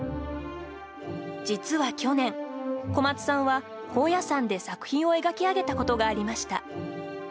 実は去年、小松さんは高野山で作品を描き上げたことがありました。